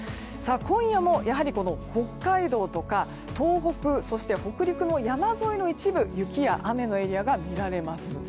今夜も北海道とか東北、北陸の山沿いの一部で雪や雨のエリアが見られます。